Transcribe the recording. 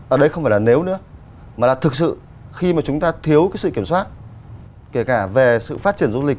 ở đây không phải là nếu nữa mà là thực sự khi mà chúng ta thiếu cái sự kiểm soát kể cả về sự phát triển du lịch